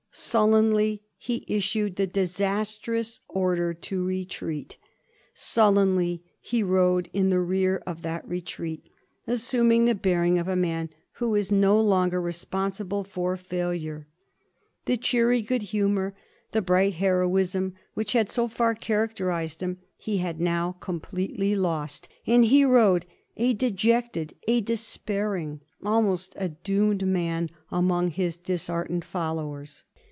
Sullenly he issued the disastrous order to retreat, sullenly he rode in the rear of that retreat, assuming the bearing of a man who is no longer responsible for failure. The cheery good humor, the bright heroism, which had so far characterized him, he had now completely lost, and he rode, a dejected, a despairing, almost a doomed man, among his disheartened followers.